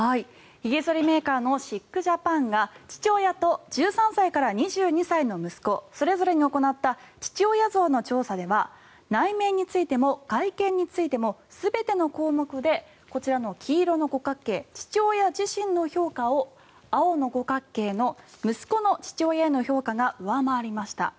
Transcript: ひげ剃りメーカーのシック・ジャパンが父親と１３歳から２２歳の息子それぞれに行った父親像の調査では内面についても外見についても全ての項目でこちらの黄色の五角形父親自身の評価を青の五角形の息子の父親への評価が上回りました。